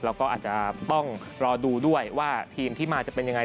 แล้วก็อาจจะต้องรอดูด้วยว่าทีมที่มาจะเป็นยังไง